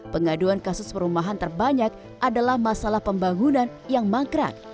pengaduan kasus perumahan terbanyak adalah masalah pembangunan yang mangkrak